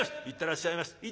「行ってらっしゃいまし」。